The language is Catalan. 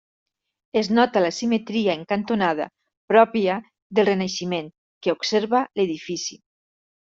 Es nota la simetria en cantonada, pròpia del Renaixement, que observa l'edifici.